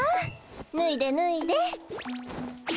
ぬいでぬいで。